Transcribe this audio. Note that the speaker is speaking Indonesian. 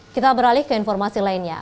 kita beralih ke informasi lainnya